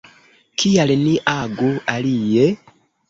Kial ni agu alie?